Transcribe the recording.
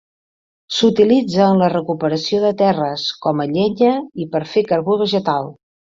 S'utilitza en la recuperació de terres, com a llenya i per fer carbó vegetal.